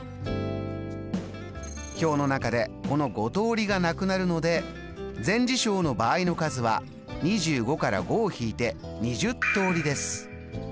表の中でこの５通りがなくなるので全事象の場合の数は２５から５を引いて２０通りです。